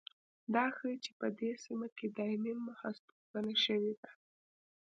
دا ښيي چې په دې سیمه کې دایمي هستوګنه شوې ده.